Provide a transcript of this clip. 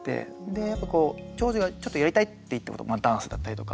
やっぱこう長女がちょっとやりたいって言ったことダンスだったりとか。